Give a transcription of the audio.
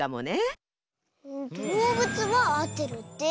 どうぶつはあってるって。